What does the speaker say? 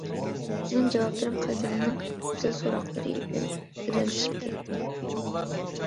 مىنىڭ جاۋابلىرىم قەلبىمنىڭ گۈزەل سوراقلىرى بىلەن گىرەلىشىپ كەتتى.